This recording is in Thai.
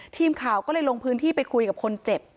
ทีมข่าวก็เลยลงพื้นที่ไปคุยกับคนเจ็บ